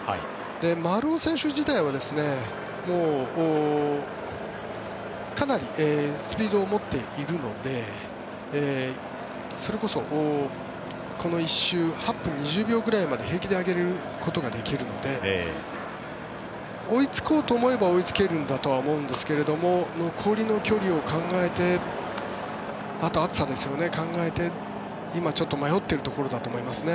丸尾選手自体はかなりスピードを持っているのでそれこそこの１周８分２０秒ぐらいまで平気で上げれることができるので追いつこうと思えば追いつけるんだとは思うんですが残りの距離を考えてあと暑さですよね、考えて今ちょっと迷っているところだと思いますね。